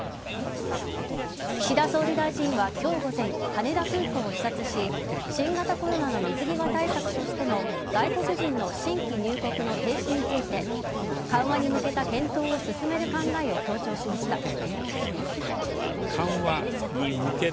岸田総理大臣は今日午前、羽田空港を視察し新型コロナの水際対策としての外国人の新規入国の停止について緩和に向けた検討を進める考えを強調しました。